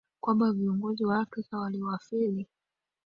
kwamba viongozi wa afrika waliwafeli